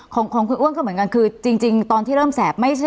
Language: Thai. ของคุณอ้วนก็เหมือนกันคือจริงตอนที่เริ่มแสบไม่ใช่